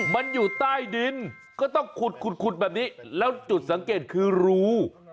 มันอยู่ใต้ดินก็ต้องขุดขุดแบบนี้แล้วจุดสังเกตคือรู